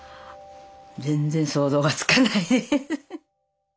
全然想像がつかない。